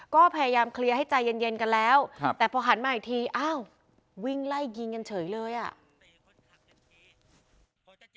ก็พยายามเคลียร์ให้ใจเย็นกันแล้วแต่พอหันมาอีกทีอ้าววิ่งไล่ยิงกันเฉยเลยอ่ะ